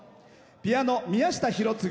ピアノ、宮下博次。